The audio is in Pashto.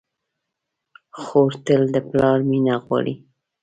خور تل د پلار مینه غواړي.